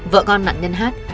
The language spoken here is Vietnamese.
vợ con nặng nhân hát